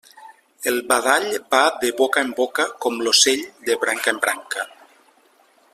El badall va de boca en boca com l'ocell de branca en branca.